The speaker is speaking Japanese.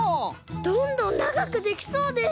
どんどんながくできそうです。